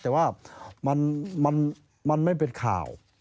แต่ว่ามันไม่เป็นข่าว